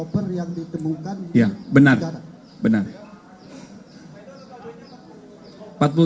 bapak ada yang lain pak